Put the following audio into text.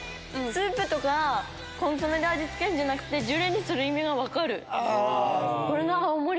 スープとかコンソメで味付けんじゃなくてジュレにする意味が分かる。